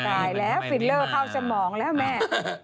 ตายแล้วฟิลเลอร์เข้าสมองแล้วแม่